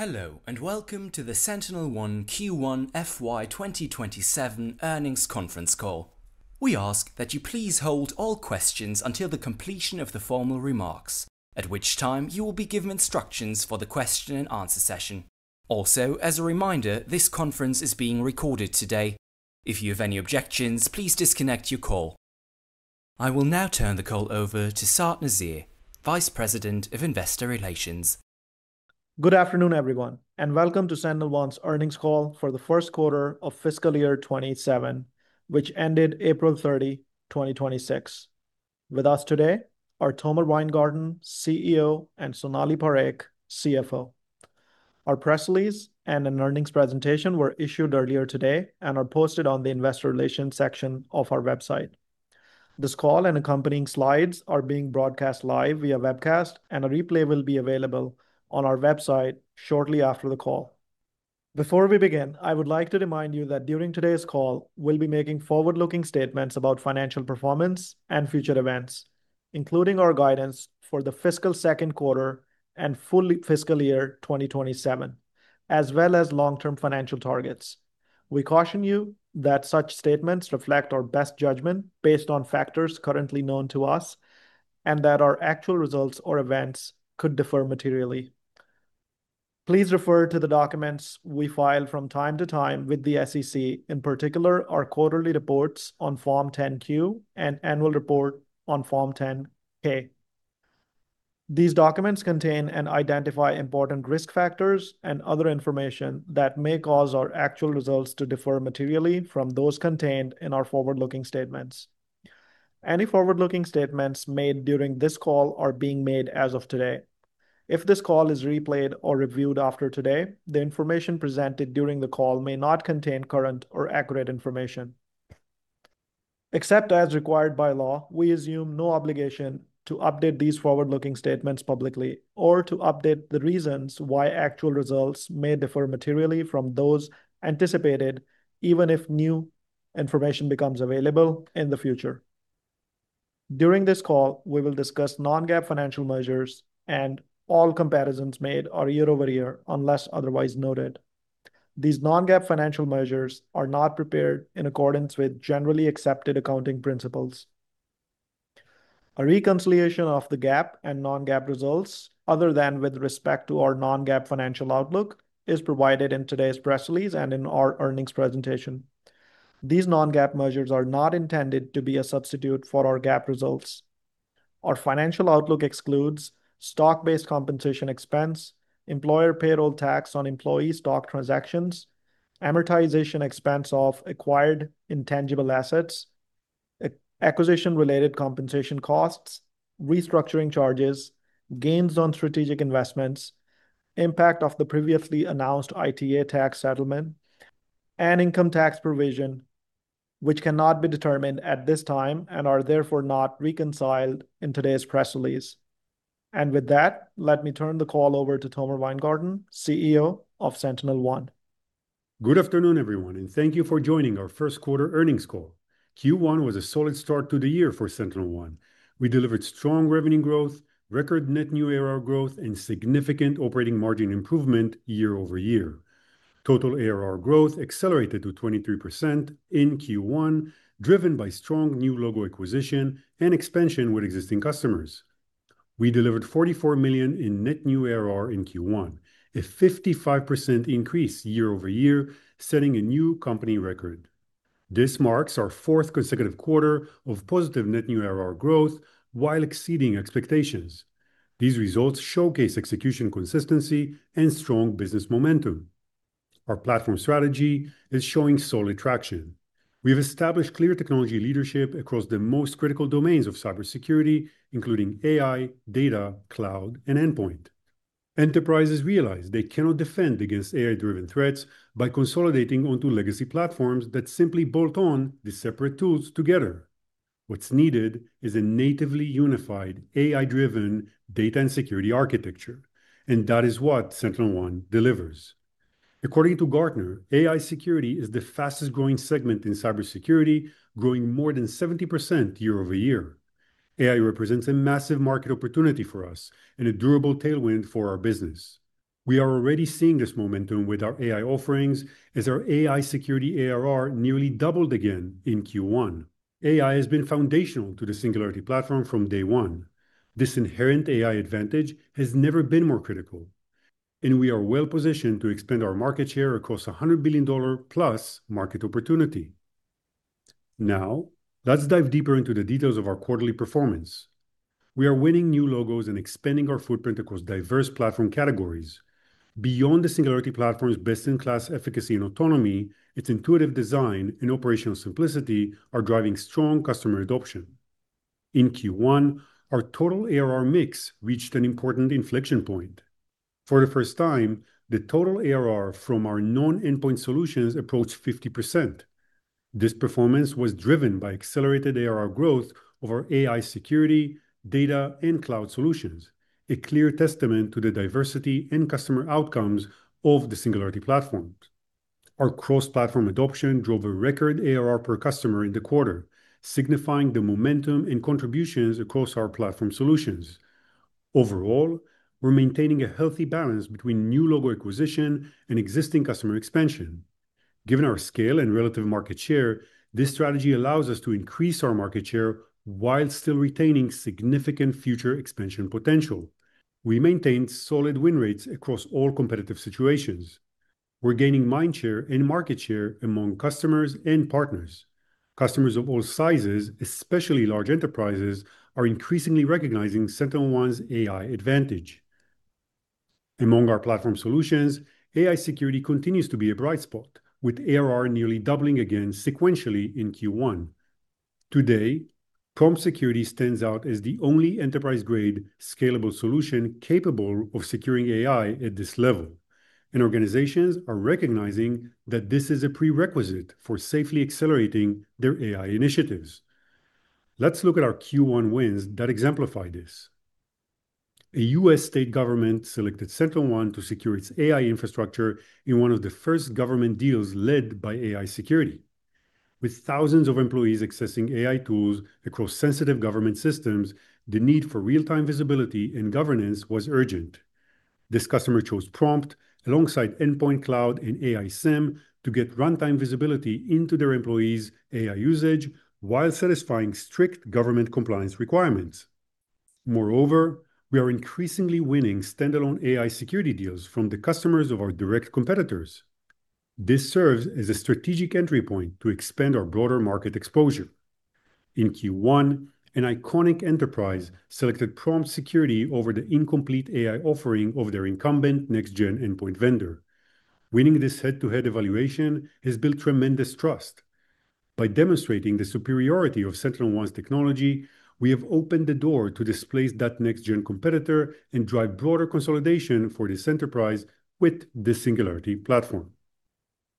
Hello, and welcome to the SentinelOne Q1 FY 2027 earnings conference call. We ask that you please hold all questions until the completion of the formal remarks, at which time you will be given instructions for the question and answer session. Also, as a reminder, this conference is being recorded today. If you have any objections, please disconnect your call. I will now turn the call over to Saad Nazir, Vice President of Investor Relations. Good afternoon, everyone, and welcome to SentinelOne's earnings call for the first quarter of fiscal year 2027, which ended April 30, 2026. With us today are Tomer Weingarten, CEO, and Sonalee Parekh, CFO. Our press release and an earnings presentation were issued earlier today and are posted on the investor relations section of our website. This call and accompanying slides are being broadcast live via webcast, and a replay will be available on our website shortly after the call. Before we begin, I would like to remind you that during today's call, we'll be making forward-looking statements about financial performance and future events, including our guidance for the fiscal second quarter and full fiscal year 2027, as well as long-term financial targets. We caution you that such statements reflect our best judgment based on factors currently known to us, and that our actual results or events could differ materially. Please refer to the documents we file from time to time with the SEC, in particular our quarterly reports on Form 10-Q and annual report on Form 10-K. These documents contain and identify important risk factors and other information that may cause our actual results to differ materially from those contained in our forward-looking statements. Any forward-looking statements made during this call are being made as of today. If this call is replayed or reviewed after today, the information presented during the call may not contain current or accurate information. Except as required by law, we assume no obligation to update these forward-looking statements publicly or to update the reasons why actual results may differ materially from those anticipated, even if new information becomes available in the future. During this call, we will discuss non-GAAP financial measures, and all comparisons made are year-over-year, unless otherwise noted. These non-GAAP financial measures are not prepared in accordance with generally accepted accounting principles. A reconciliation of the GAAP and non-GAAP results other than with respect to our non-GAAP financial outlook is provided in today's press release and in our earnings presentation. These non-GAAP measures are not intended to be a substitute for our GAAP results. Our financial outlook excludes stock-based compensation expense, employer payroll tax on employee stock transactions, amortization expense of acquired intangible assets, acquisition-related compensation costs, restructuring charges, gains on strategic investments, impact of the previously announced ITA tax settlement, and income tax provision, which cannot be determined at this time and are therefore not reconciled in today's press release. With that, let me turn the call over to Tomer Weingarten, CEO of SentinelOne. Good afternoon, everyone, and thank you for joining our first quarter earnings call. Q1 was a solid start to the year for SentinelOne. We delivered strong revenue growth, record net new ARR growth, and significant operating margin improvement year-over-year. Total ARR growth accelerated to 23% in Q1, driven by strong new logo acquisition and expansion with existing customers. We delivered $44 million in net new ARR in Q1, a 55% increase year-over-year, setting a new company record. This marks our fourth consecutive quarter of positive net new ARR growth while exceeding expectations. These results showcase execution consistency and strong business momentum. Our platform strategy is showing solid traction. We have established clear technology leadership across the most critical domains of cybersecurity, including AI, data, cloud, and endpoint. Enterprises realize they cannot defend against AI-driven threats by consolidating onto legacy platforms that simply bolt on the separate tools together. What's needed is a natively unified AI-driven data and security architecture, and that is what SentinelOne delivers. According to Gartner, AI security is the fastest-growing segment in cybersecurity, growing more than 70% year-over-year. AI represents a massive market opportunity for us and a durable tailwind for our business. We are already seeing this momentum with our AI offerings as our AI security ARR nearly doubled again in Q1. AI has been foundational to the Singularity Platform from day one. This inherent AI advantage has never been more critical, and we are well positioned to expand our market share across a $100 billion-plus market opportunity. Now, let's dive deeper into the details of our quarterly performance. We are winning new logos and expanding our footprint across diverse platform categories. Beyond the Singularity Platform's best-in-class efficacy and autonomy, its intuitive design and operational simplicity are driving strong customer adoption. In Q1, our total ARR mix reached an important inflection point. For the first time, the total ARR from our non-endpoint solutions approached 50%. This performance was driven by accelerated ARR growth of our AI security, data, and cloud solutions, a clear testament to the diversity and customer outcomes of the Singularity Platform. Our cross-platform adoption drove a record ARR per customer in the quarter, signifying the momentum and contributions across our platform solutions. Overall, we're maintaining a healthy balance between new logo acquisition and existing customer expansion. Given our scale and relative market share, this strategy allows us to increase our market share while still retaining significant future expansion potential. We maintain solid win rates across all competitive situations. We're gaining mind share and market share among customers and partners. Customers of all sizes, especially large enterprises, are increasingly recognizing SentinelOne's AI advantage. Among our platform solutions, AI security continues to be a bright spot, with ARR nearly doubling again sequentially in Q1. Today, Prompt Security stands out as the only enterprise-grade scalable solution capable of securing AI at this level, and organizations are recognizing that this is a prerequisite for safely accelerating their AI initiatives. Let's look at our Q1 wins that exemplify this. A U.S. state government selected SentinelOne to secure its AI infrastructure in one of the first government deals led by AI security. With thousands of employees accessing AI tools across sensitive government systems, the need for real-time visibility and governance was urgent. This customer chose Prompt alongside Endpoint Cloud and AI SIEM to get runtime visibility into their employees' AI usage while satisfying strict government compliance requirements. Moreover, we are increasingly winning standalone AI security deals from the customers of our direct competitors. This serves as a strategic entry point to expand our broader market exposure. In Q1, an iconic enterprise selected Prompt Security over the incomplete AI offering of their incumbent next-gen endpoint vendor. Winning this head-to-head evaluation has built tremendous trust. By demonstrating the superiority of SentinelOne's technology, we have opened the door to displace that next gen competitor and drive broader consolidation for this enterprise with the Singularity Platform.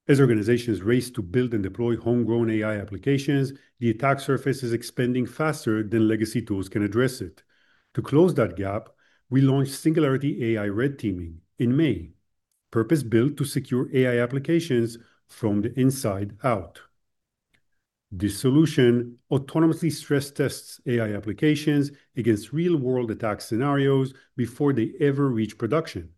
As organizations race to build and deploy homegrown AI applications, the attack surface is expanding faster than legacy tools can address it. To close that gap, we launched Prompt AI Red Teaming in May, purpose-built to secure AI applications from the inside out. This solution autonomously stress tests AI applications against real-world attack scenarios before they ever reach production.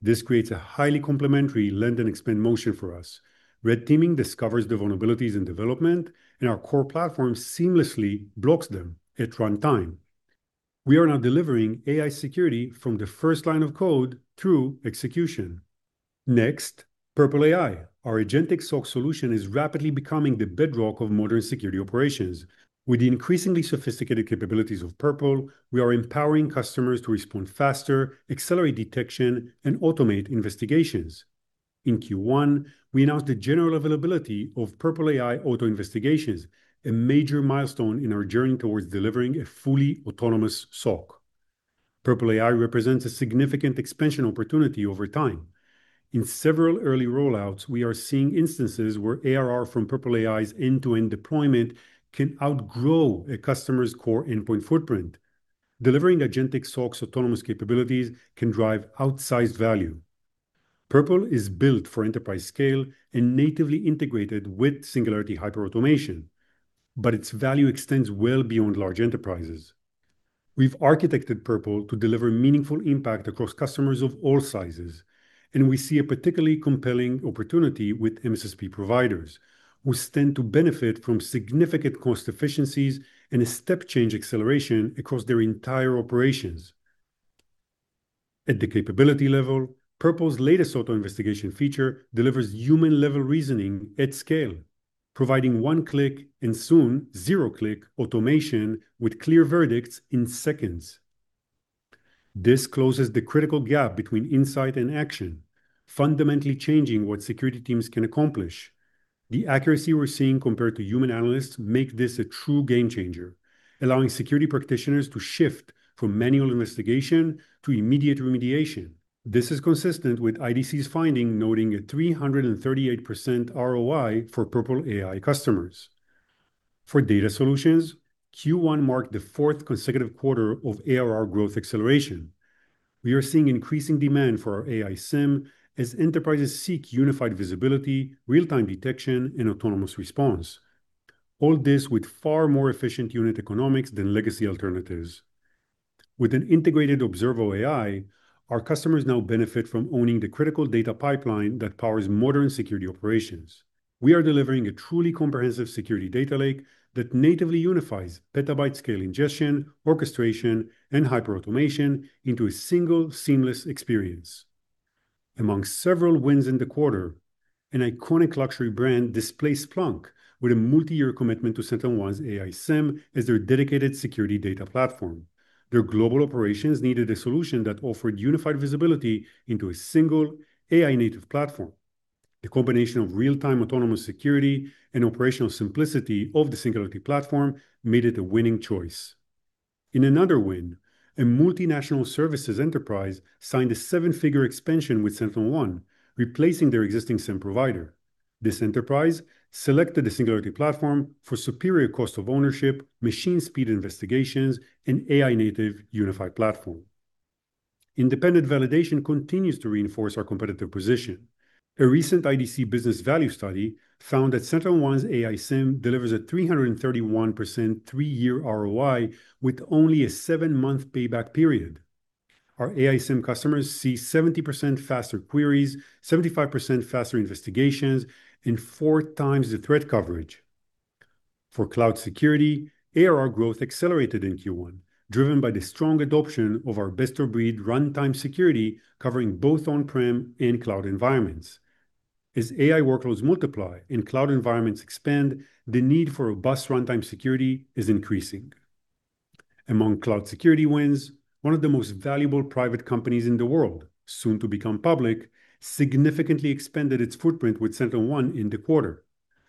This creates a highly complementary lend and expand motion for us. Red Teaming discovers the vulnerabilities in development, and our core platform seamlessly blocks them at runtime. We are now delivering AI security from the first line of code through execution. Next, Purple AI. Our agentic SOC solution is rapidly becoming the bedrock of modern security operations. With the increasingly sophisticated capabilities of Purple, we are empowering customers to respond faster, accelerate detection, and automate investigations. In Q1, we announced the general availability of Purple AI auto investigations, a major milestone in our journey towards delivering a fully autonomous SOC. Purple AI represents a significant expansion opportunity over time. In several early rollouts, we are seeing instances where ARR from Purple AI's end-to-end deployment can outgrow a customer's core endpoint footprint. Delivering agentic SOC's autonomous capabilities can drive outsized value. Purple is built for enterprise scale and natively integrated with Singularity Hyperautomation, but its value extends well beyond large enterprises. We've architected Purple to deliver meaningful impact across customers of all sizes, and we see a particularly compelling opportunity with MSSP providers, who stand to benefit from significant cost efficiencies and a step-change acceleration across their entire operations. At the capability level, Purple's latest auto investigation feature delivers human-level reasoning at scale, providing one-click, and soon zero-click, automation with clear verdicts in seconds. This closes the critical gap between insight and action, fundamentally changing what security teams can accomplish. The accuracy we're seeing compared to human analysts make this a true game changer, allowing security practitioners to shift from manual investigation to immediate remediation. This is consistent with IDC's finding, noting a 338% ROI for Purple AI customers. For data solutions, Q1 marked the fourth consecutive quarter of ARR growth acceleration. We are seeing increasing demand for our AI SIEM as enterprises seek unified visibility, real-time detection, and autonomous response. All this with far more efficient unit economics than legacy alternatives. With an integrated Observo AI, our customers now benefit from owning the critical data pipeline that powers modern security operations. We are delivering a truly comprehensive security data lake that natively unifies petabyte-scale ingestion, orchestration, and hyperautomation into a single seamless experience. Among several wins in the quarter, an iconic luxury brand displaced Splunk with a multi-year commitment to SentinelOne's AI SIEM as their dedicated security data platform. Their global operations needed a solution that offered unified visibility into a single AI-native platform. The combination of real-time autonomous security and operational simplicity of the Singularity Platform made it a winning choice. In another win, a multinational services enterprise signed a seven-figure expansion with SentinelOne, replacing their existing SIEM provider. This enterprise selected the Singularity Platform for superior cost of ownership, machine speed investigations, and AI-native unified platform. Independent validation continues to reinforce our competitive position. A recent IDC business value study found that SentinelOne's AI SIEM delivers a 331% three-year ROI with only a seven-month payback period. Our AI SIEM customers see 70% faster queries, 75% faster investigations, and four times the threat coverage. For cloud security, ARR growth accelerated in Q1, driven by the strong adoption of our best-of-breed runtime security covering both on-prem and cloud environments. As AI workloads multiply and cloud environments expand, the need for robust runtime security is increasing. Among cloud security wins, one of the most valuable private companies in the world, soon to become public, significantly expanded its footprint with SentinelOne in the quarter.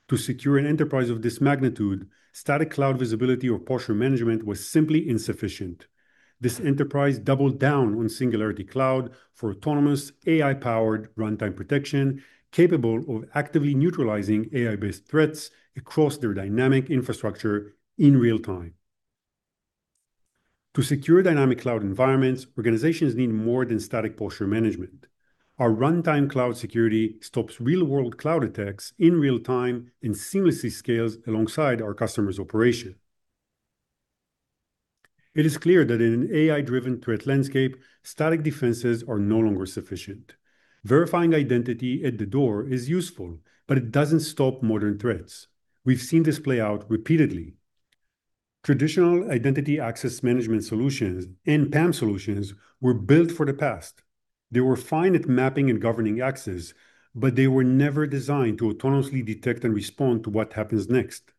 To secure an enterprise of this magnitude, static cloud visibility or posture management was simply insufficient. This enterprise doubled down on Singularity Cloud for autonomous AI-powered runtime protection, capable of actively neutralizing AI-based threats across their dynamic infrastructure in real time. To secure dynamic cloud environments, organizations need more than static posture management. Our runtime cloud security stops real-world cloud attacks in real time and seamlessly scales alongside our customers' operation. It is clear that in an AI-driven threat landscape, static defenses are no longer sufficient. Verifying identity at the door is useful, it doesn't stop modern threats. We've seen this play out repeatedly. Traditional identity access management solutions and PAM solutions were built for the past. They were fine at mapping and governing access, they were never designed to autonomously detect and respond to what happens next.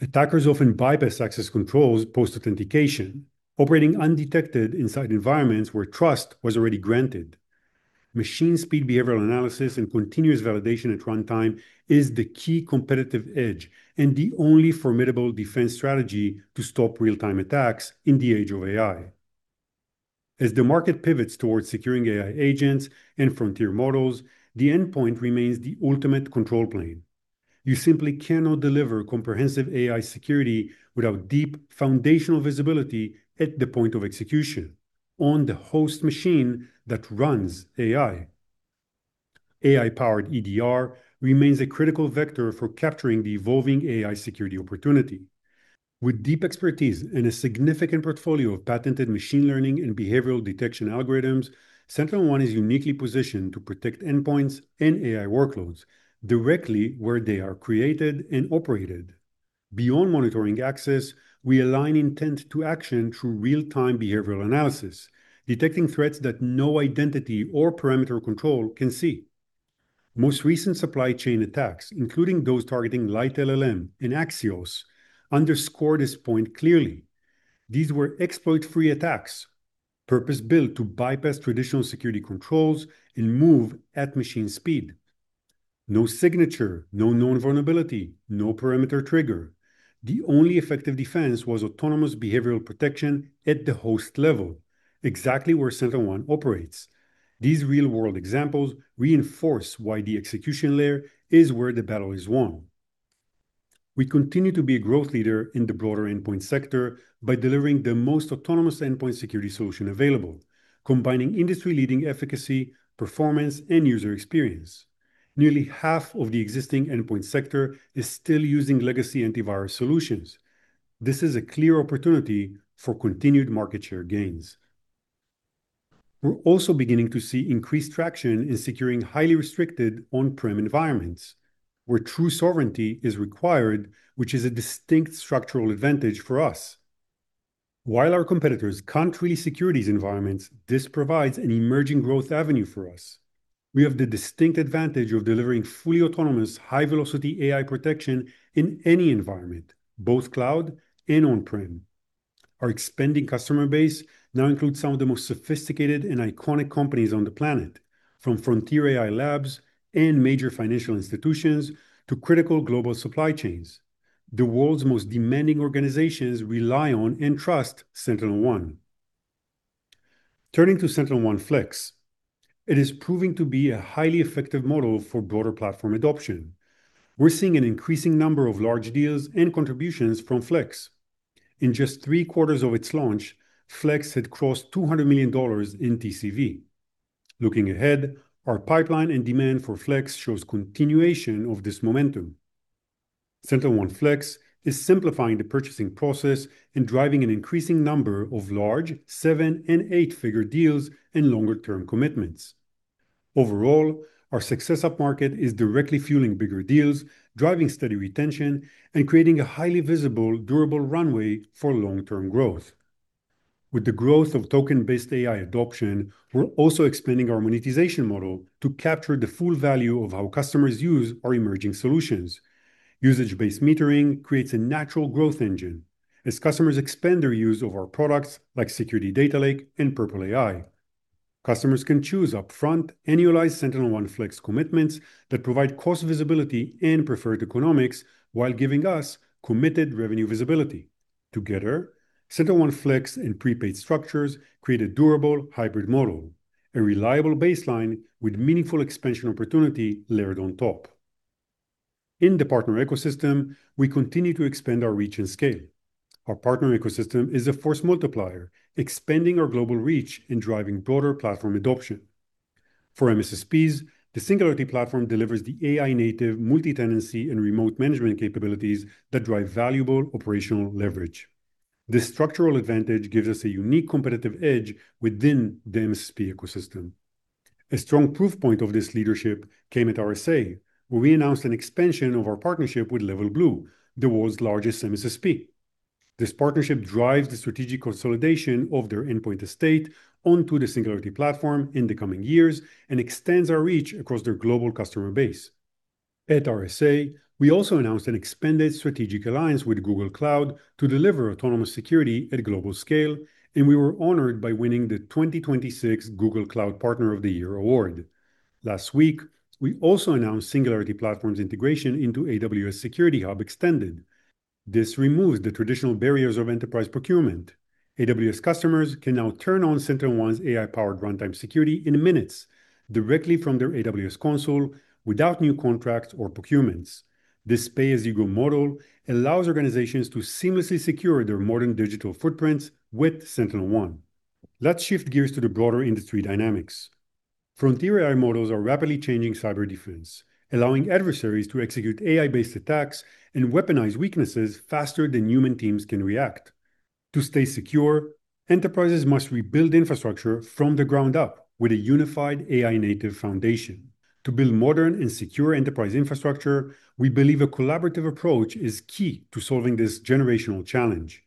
Attackers often bypass access controls post-authentication, operating undetected inside environments where trust was already granted. Machine-speed behavioral analysis and continuous validation at runtime is the key competitive edge and the only formidable defense strategy to stop real-time attacks in the age of AI. As the market pivots towards securing AI agents and frontier models, the endpoint remains the ultimate control plane. You simply cannot deliver comprehensive AI security without deep foundational visibility at the point of execution on the host machine that runs AI. AI-powered EDR remains a critical vector for capturing the evolving AI security opportunity. With deep expertise and a significant portfolio of patented machine learning and behavioral detection algorithms, SentinelOne is uniquely positioned to protect endpoints and AI workloads directly where they are created and operated. Beyond monitoring access, we align intent to action through real-time behavioral analysis, detecting threats that no identity or parameter control can see. Most recent supply chain attacks, including those targeting LiteLLM and Axios, underscore this point clearly. These were exploit-free attacks, purpose-built to bypass traditional security controls and move at machine speed. No signature, no known vulnerability, no parameter trigger. The only effective defense was autonomous behavioral protection at the host level, exactly where SentinelOne operates. These real-world examples reinforce why the execution layer is where the battle is won. We continue to be a growth leader in the broader endpoint sector by delivering the most autonomous endpoint security solution available, combining industry-leading efficacy, performance, and user experience. Nearly half of the existing endpoint sector is still using legacy antivirus solutions. This is a clear opportunity for continued market share gains. We're also beginning to see increased traction in securing highly restricted on-prem environments where true sovereignty is required, which is a distinct structural advantage for us. While our competitors can't really secure these environments, this provides an emerging growth avenue for us. We have the distinct advantage of delivering fully autonomous, high-velocity AI protection in any environment, both cloud and on-prem. Our expanding customer base now includes some of the most sophisticated and iconic companies on the planet, from frontier AI labs and major financial institutions to critical global supply chains. The world's most demanding organizations rely on and trust SentinelOne. Turning to SentinelOne Flex, it is proving to be a highly effective model for broader platform adoption. We're seeing an increasing number of large deals and contributions from Flex. In just three quarters of its launch, Flex had crossed $200 million in TCV. Looking ahead, our pipeline and demand for Flex shows continuation of this momentum. SentinelOne Flex is simplifying the purchasing process and driving an increasing number of large seven and eight-figure deals and longer-term commitments. Overall, our success up-market is directly fueling bigger deals, driving steady retention, and creating a highly visible, durable runway for long-term growth. With the growth of token-based AI adoption, we're also expanding our monetization model to capture the full value of how customers use our emerging solutions. Usage-based metering creates a natural growth engine as customers expand their use of our products, like Singularity Data Lake and Purple AI. Customers can choose upfront annualized SentinelOne Flex commitments that provide cost visibility and preferred economics while giving us committed revenue visibility. Together, SentinelOne Flex and prepaid structures create a durable hybrid model, a reliable baseline with meaningful expansion opportunity layered on top. In the partner ecosystem, we continue to expand our reach and scale. Our partner ecosystem is a force multiplier, expanding our global reach and driving broader platform adoption. For MSSPs, the Singularity Platform delivers the AI-native multi-tenancy and remote management capabilities that drive valuable operational leverage. This structural advantage gives us a unique competitive edge within the MSSP ecosystem. A strong proof point of this leadership came at RSA, where we announced an expansion of our partnership with LevelBlue, the world’s largest MSSP. This partnership drives the strategic consolidation of their endpoint estate onto the Singularity Platform in the coming years and extends our reach across their global customer base. At RSA, we also announced an expanded strategic alliance with Google Cloud to deliver autonomous security at global scale. We were honored by winning the 2026 Google Cloud Partner of the Year award. Last week, we also announced Singularity Platform's integration into AWS Security Hub Extended. This removes the traditional barriers of enterprise procurement. AWS customers can now turn on SentinelOne's AI-powered runtime security in minutes directly from their AWS console without new contracts or procurements. This pay-as-you-go model allows organizations to seamlessly secure their modern digital footprints with SentinelOne. Let's shift gears to the broader industry dynamics. Frontier AI models are rapidly changing cyber defense, allowing adversaries to execute AI-based attacks and weaponize weaknesses faster than human teams can react. To stay secure, enterprises must rebuild infrastructure from the ground up with a unified AI-native foundation. To build modern and secure enterprise infrastructure, we believe a collaborative approach is key to solving this generational challenge.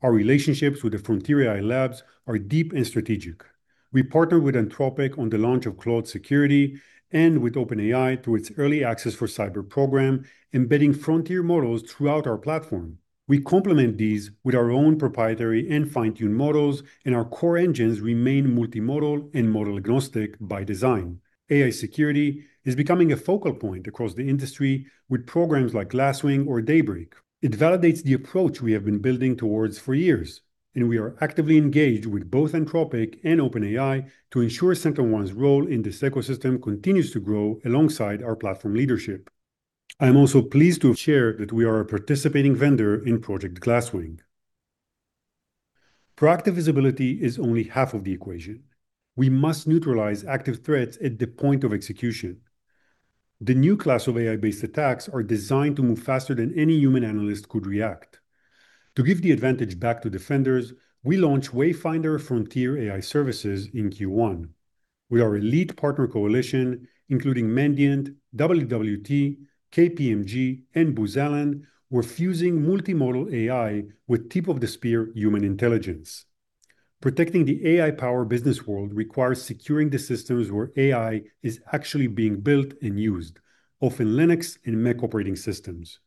Our relationships with the Frontier AI labs are deep and strategic. We partnered with Anthropic on the launch of Claude Security and with OpenAI through its early access for cyber program, embedding frontier models throughout our platform. We complement these with our own proprietary and fine-tuned models, and our core engines remain multimodal and model-agnostic by design. AI security is becoming a focal point across the industry with programs like Glasswing or Daybreak. It validates the approach we have been building towards for years, and we are actively engaged with both Anthropic and OpenAI to ensure SentinelOne's role in this ecosystem continues to grow alongside our platform leadership. I am also pleased to share that we are a participating vendor in Project Glasswing. Proactive visibility is only half of the equation. We must neutralize active threats at the point of execution. The new class of AI-based attacks are designed to move faster than any human analyst could react. To give the advantage back to defenders, we launch Wayfinder Frontier AI Services in Q1. With our elite partner coalition, including Mandiant, WWT, KPMG, and Booz Allen, we're fusing multimodal AI with tip-of-the-spear human intelligence. Protecting the AI-powered business world requires securing the systems where AI is actually being built and used, often Linux and Mac operating systems.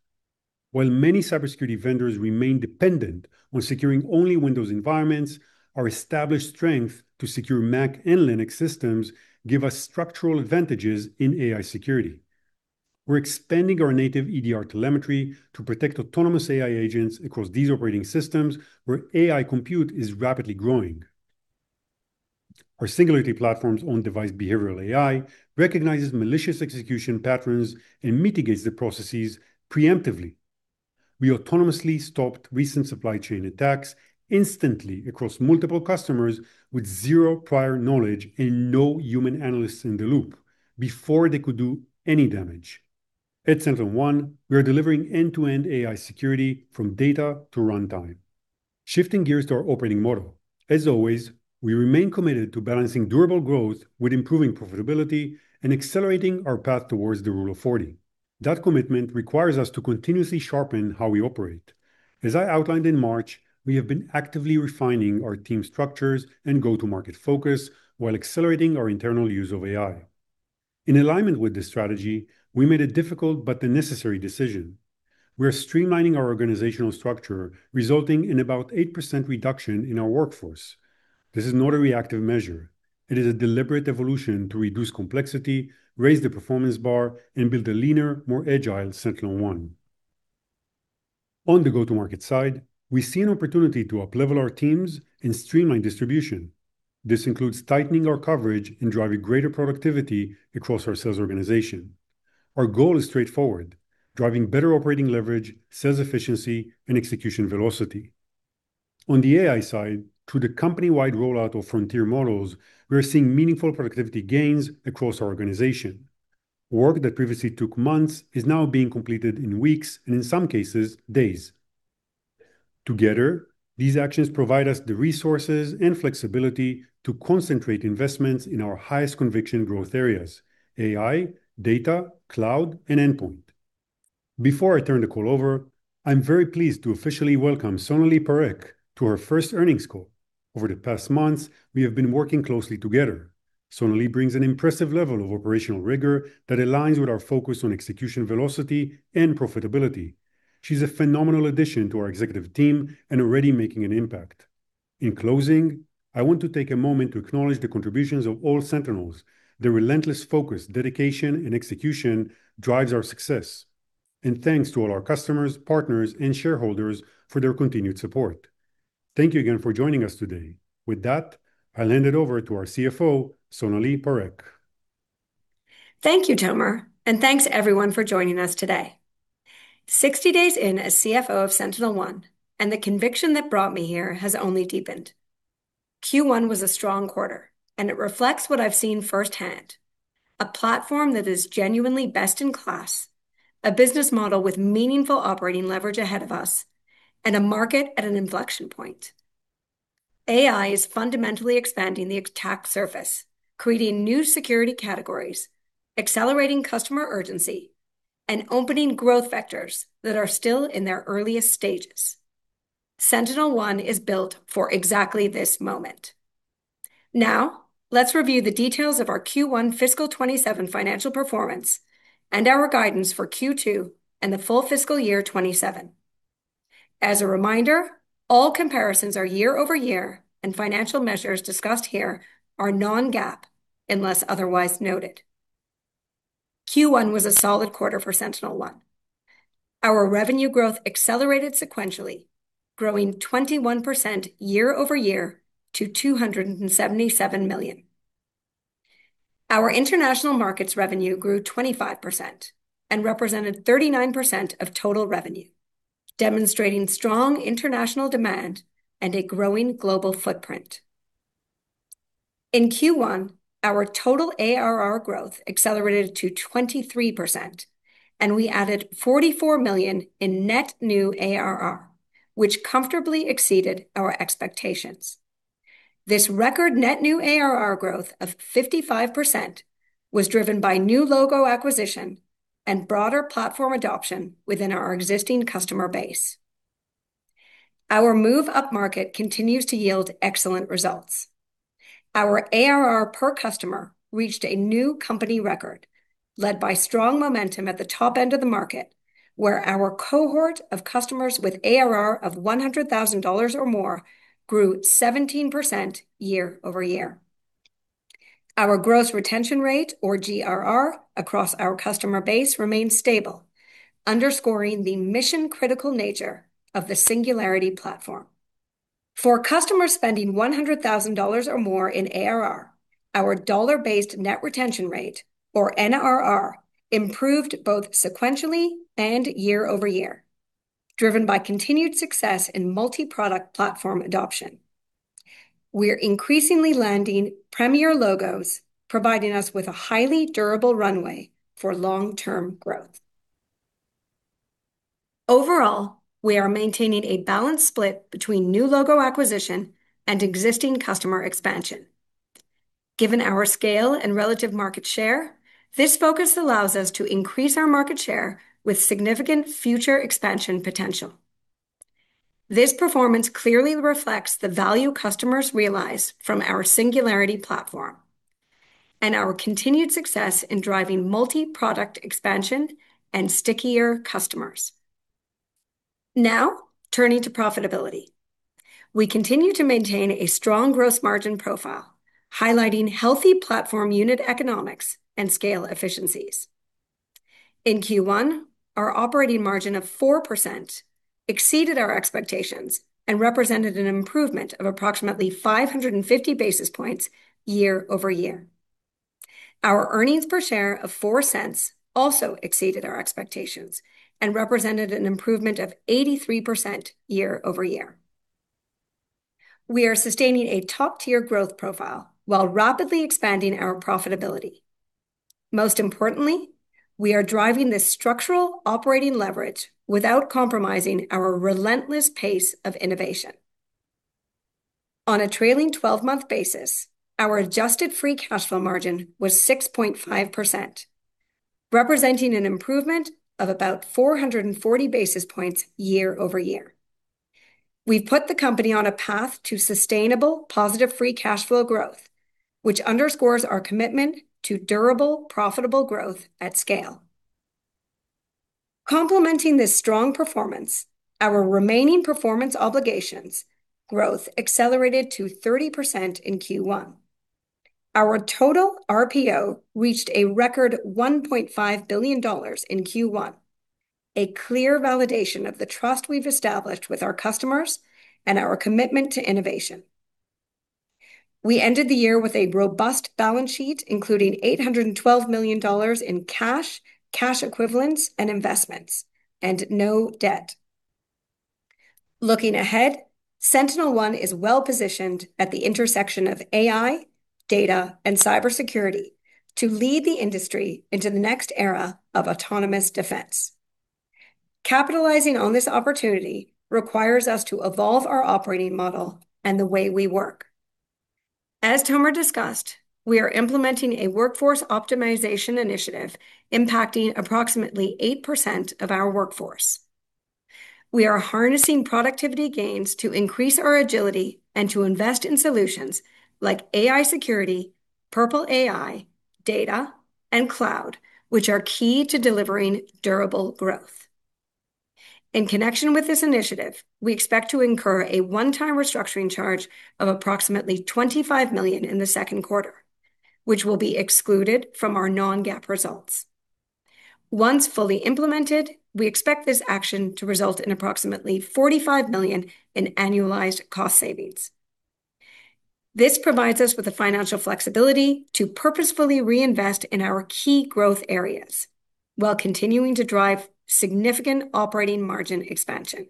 While many cybersecurity vendors remain dependent on securing only Windows environments, our established strength to secure Mac and Linux systems give us structural advantages in AI security. We're expanding our native EDR telemetry to protect autonomous AI agents across these operating systems where AI compute is rapidly growing. Our Singularity Platform's on-device behavioral AI recognizes malicious execution patterns and mitigates the processes preemptively. We autonomously stopped recent supply chain attacks instantly across multiple customers with zero prior knowledge and no human analysts in the loop before they could do any damage. At SentinelOne, we are delivering end-to-end AI security from data to runtime. Shifting gears to our operating model. As always, we remain committed to balancing durable growth with improving profitability and accelerating our path towards the rule of 40. That commitment requires us to continuously sharpen how we operate. As I outlined in March, we have been actively refining our team structures and go-to-market focus while accelerating our internal use of AI. In alignment with this strategy, we made a difficult but a necessary decision. We are streamlining our organizational structure, resulting in about 8% reduction in our workforce. This is not a reactive measure. It is a deliberate evolution to reduce complexity, raise the performance bar, and build a leaner, more agile SentinelOne. On the go-to-market side, we see an opportunity to uplevel our teams and streamline distribution. This includes tightening our coverage and driving greater productivity across our sales organization. Our goal is straightforward, driving better operating leverage, sales efficiency, and execution velocity. On the AI side, through the company-wide rollout of frontier models, we are seeing meaningful productivity gains across our organization. Work that previously took months is now being completed in weeks, and in some cases, days. Together, these actions provide us the resources and flexibility to concentrate investments in our highest conviction growth areas: AI, data, cloud, and endpoint. Before I turn the call over, I am very pleased to officially welcome Sonalee Parekh to her first earnings call. Over the past months, we have been working closely together. Sonalee brings an impressive level of operational rigor that aligns with our focus on execution velocity and profitability. She's a phenomenal addition to our executive team and already making an impact. In closing, I want to take a moment to acknowledge the contributions of all Sentinels. Their relentless focus, dedication, and execution drives our success. Thanks to all our customers, partners, and shareholders for their continued support. Thank you again for joining us today. With that, I'll hand it over to our CFO, Sonalee Parekh. Thank you, Tomer, and thanks everyone for joining us today. 60 days in as CFO of SentinelOne. The conviction that brought me here has only deepened. Q1 was a strong quarter. It reflects what I've seen firsthand, a platform that is genuinely best in class, a business model with meaningful operating leverage ahead of us, and a market at an inflection point. AI is fundamentally expanding the attack surface, creating new security categories, accelerating customer urgency, opening growth vectors that are still in their earliest stages. SentinelOne is built for exactly this moment. Let's review the details of our Q1 fiscal 2027 financial performance and our guidance for Q2 and the full fiscal year 2027. As a reminder, all comparisons are year-over-year. Financial measures discussed here are non-GAAP, unless otherwise noted. Q1 was a solid quarter for SentinelOne. Our revenue growth accelerated sequentially, growing 21% year-over-year to $277 million. Our international markets revenue grew 25% and represented 39% of total revenue, demonstrating strong international demand and a growing global footprint. In Q1, our total ARR growth accelerated to 23%, and we added $44 million in net new ARR, which comfortably exceeded our expectations. This record net new ARR growth of 55% was driven by new logo acquisition and broader Platform adoption within our existing customer base. Our move up market continues to yield excellent results. Our ARR per customer reached a new company record led by strong momentum at the top end of the market, where our cohort of customers with ARR of $100,000 or more grew 17% year-over-year. Our gross retention rate, or GRR, across our customer base remained stable, underscoring the mission-critical nature of the Singularity Platform. For customers spending $100,000 or more in ARR, our dollar-based net retention rate, or NRR, improved both sequentially and year-over-year, driven by continued success in multi-product platform adoption. We're increasingly landing premier logos, providing us with a highly durable runway for long-term growth. Overall, we are maintaining a balanced split between new logo acquisition and existing customer expansion. Given our scale and relative market share, this focus allows us to increase our market share with significant future expansion potential. This performance clearly reflects the value customers realize from our Singularity Platform and our continued success in driving multi-product expansion and stickier customers. Now, turning to profitability. We continue to maintain a strong gross margin profile, highlighting healthy platform unit economics and scale efficiencies. In Q1, our operating margin of 4% exceeded our expectations and represented an improvement of approximately 550 basis points year-over-year. Our earnings per share of $0.04 also exceeded our expectations and represented an improvement of 83% year-over-year. We are sustaining a top-tier growth profile while rapidly expanding our profitability. Most importantly, we are driving this structural operating leverage without compromising our relentless pace of innovation. On a trailing 12-month basis, our adjusted free cash flow margin was 6.5%, representing an improvement of about 440 basis points year-over-year. We've put the company on a path to sustainable positive free cash flow growth, which underscores our commitment to durable profitable growth at scale. Complementing this strong performance, our remaining performance obligations growth accelerated to 30% in Q1. Our total RPO reached a record $1.5 billion in Q1, a clear validation of the trust we've established with our customers and our commitment to innovation. We ended the year with a robust balance sheet, including $812 million in cash equivalents, and investments, and no debt. Looking ahead, SentinelOne is well-positioned at the intersection of AI, data, and cybersecurity to lead the industry into the next era of autonomous defense. Capitalizing on this opportunity requires us to evolve our operating model and the way we work. As Tomer discussed, we are implementing a workforce optimization initiative impacting approximately 8% of our workforce. We are harnessing productivity gains to increase our agility and to invest in solutions like AI security, Purple AI, data, and cloud, which are key to delivering durable growth. In connection with this initiative, we expect to incur a one-time restructuring charge of approximately $25 million in the second quarter, which will be excluded from our non-GAAP results. Once fully implemented, we expect this action to result in approximately $45 million in annualized cost savings. This provides us with the financial flexibility to purposefully reinvest in our key growth areas while continuing to drive significant operating margin expansion.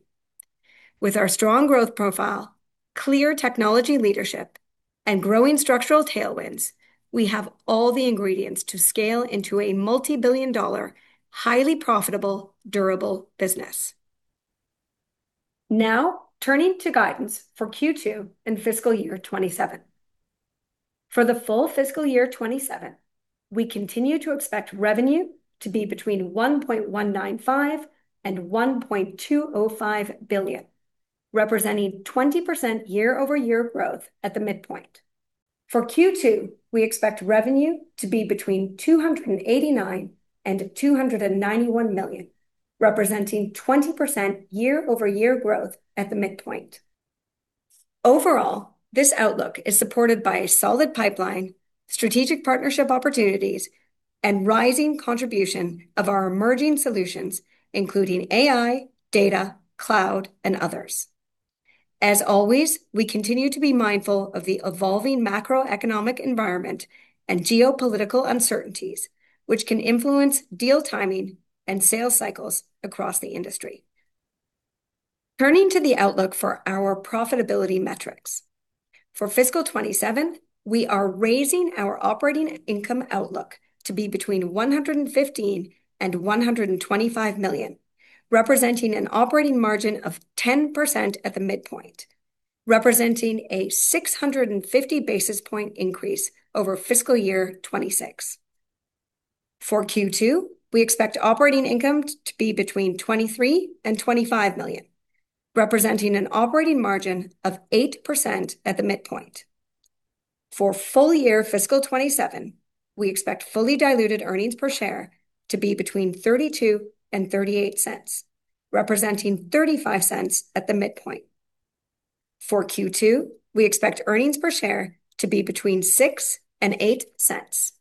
With our strong growth profile, clear technology leadership, and growing structural tailwinds, we have all the ingredients to scale into a multibillion-dollar, highly profitable, durable business. Turning to guidance for Q2 and fiscal year 2027. For the full fiscal year 2027, we continue to expect revenue to be between $1.195 billion and $1.205 billion, representing 20% year-over-year growth at the midpoint. For Q2, we expect revenue to be between $289 million and $291 million, representing 20% year-over-year growth at the midpoint. Overall, this outlook is supported by a solid pipeline, strategic partnership opportunities, and rising contribution of our emerging solutions, including AI, data, cloud, and others. As always, we continue to be mindful of the evolving macroeconomic environment and geopolitical uncertainties, which can influence deal timing and sales cycles across the industry. Turning to the outlook for our profitability metrics. For fiscal 2027, we are raising our operating income outlook to be between $115 million and $125 million, representing an operating margin of 10% at the midpoint, representing a 650 basis point increase over fiscal year 2026. For Q2, we expect operating income to be between $23 million and $25 million, representing an operating margin of 8% at the midpoint. For full year fiscal 2027, we expect fully diluted earnings per share to be between $0.32 and $0.38, representing $0.35 at the midpoint. For Q2, we expect earnings per share to be between $0.06 and $0.08.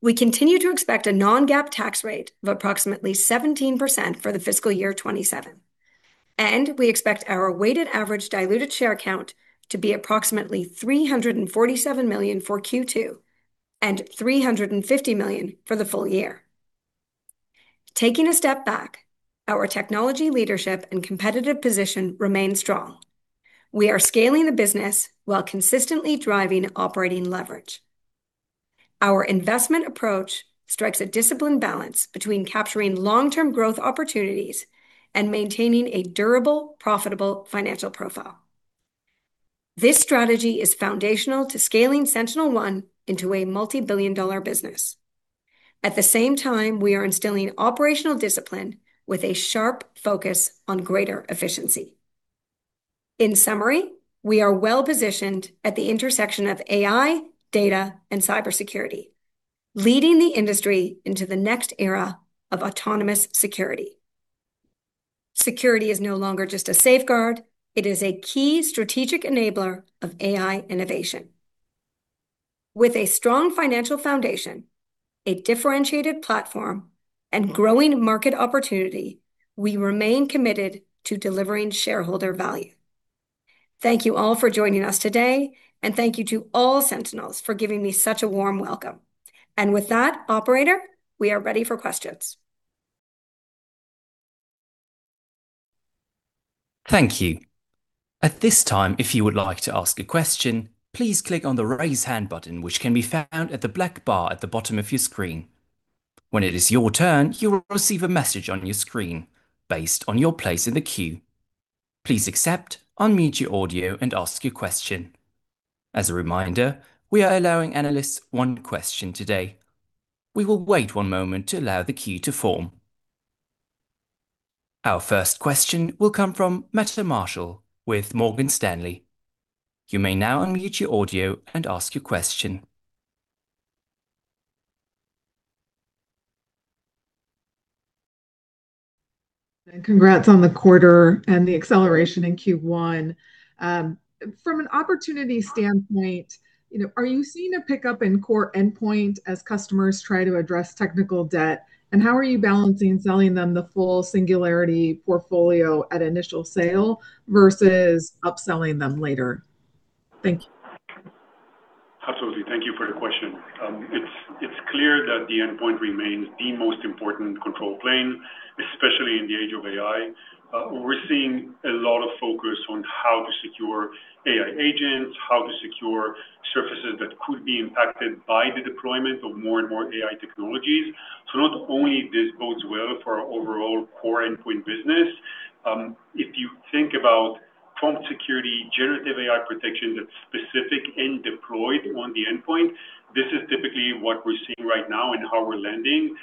We continue to expect a non-GAAP tax rate of approximately 17% for the fiscal year 2027. We expect our weighted average diluted share count to be approximately $347 million for Q2 and $350 million for the full year. Taking a step back, our technology leadership and competitive position remain strong. We are scaling the business while consistently driving operating leverage. Our investment approach strikes a disciplined balance between capturing long-term growth opportunities and maintaining a durable, profitable financial profile. This strategy is foundational to scaling SentinelOne into a multibillion-dollar business. At the same time, we are instilling operational discipline with a sharp focus on greater efficiency. In summary, we are well-positioned at the intersection of AI, data, and cybersecurity, leading the industry into the next era of autonomous security. Security is no longer just a safeguard. It is a key strategic enabler of AI innovation. With a strong financial foundation, a differentiated platform, and growing market opportunity, we remain committed to delivering shareholder value. Thank you all for joining us today, and thank you to all Sentinels for giving me such a warm welcome. With that, operator, we are ready for questions. Thank you. At this time, if you would like to ask a question, please click on the Raise Hand button, which can be found at the black bar at the bottom of your screen. When it is your turn, you will receive a message on your screen based on your place in the queue. Please accept, unmute your audio, and ask your question. As a reminder, we are allowing analysts one question today. We will wait one moment to allow the queue to form. Our first question will come from Meta Marshall with Morgan Stanley. You may now unmute your audio and ask your question. Congrats on the quarter and the acceleration in Q1. From an opportunity standpoint, are you seeing a pickup in core endpoint as customers try to address technical debt? How are you balancing selling them the full Singularity portfolio at initial sale versus upselling them later? Thank you. Absolutely. Thank you for the question. It is clear that the endpoint remains the most important control plane, especially in the age of AI. We are seeing a lot of focus on how to secure AI agents, how to secure surfaces that could be impacted by the deployment of more and more AI technologies. Not only this bodes well for our overall core endpoint business, if you think about Prompt Security, generative AI protection that is specific and deployed on the endpoint, this is typically what we are seeing right now and how we are landing.